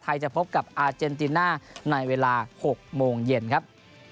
จะพบกับอาเจนติน่าในเวลา๖โมงเย็นครับ